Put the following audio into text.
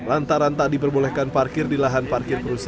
lantaran tak diperbolehkan parkir di lahan parkir perusahaan